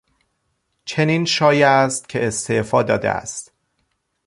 چنین شایع است که استعفا داده است.